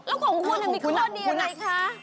แล้วของคุณมีข้อดีอะไรคะ